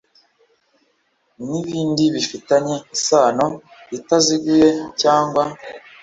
N ibindi bifitanye isano itaziguye cyangwa